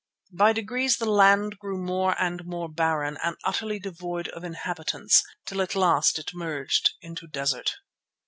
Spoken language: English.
By degrees the land grew more and more barren and utterly devoid of inhabitants, till at last it merged into desert.